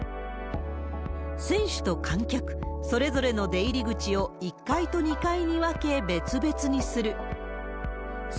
選手と観客、それぞれの出入り口を１階と２階に分け、別々にする。